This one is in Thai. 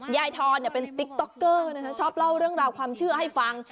ทอนเป็นติ๊กต๊อกเกอร์ชอบเล่าเรื่องราวความเชื่อให้ฟัง